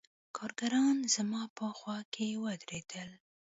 کارګران زما په خوا کښې ودرېدل.